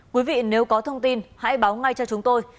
quý vị nếu có thông tin hãy báo ngay cho chúng tôi